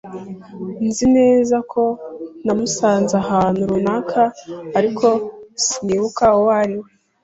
Nzi neza ko namusanze ahantu runaka, ariko sinibuka uwo ari we.